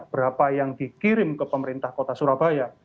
berapa yang dikirim ke pemerintah kota surabaya